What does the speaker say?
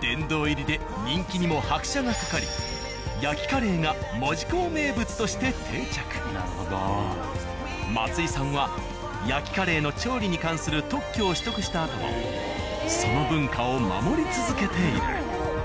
殿堂入りで人気にも拍車がかかり松井さんは焼きカレーの調理に関する特許を取得したあともその文化を守り続けている。